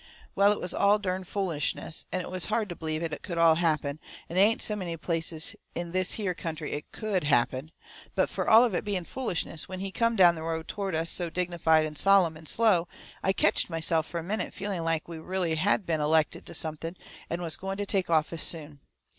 Well, it was all dern foolishness, and it was hard to believe it could all happen, and they ain't so many places in this here country it COULD happen. But fur all of it being foolishness, when he come down the road toward us so dignified and sollum and slow I ketched myself fur a minute feeling like we really had been elected to something and was going to take office soon.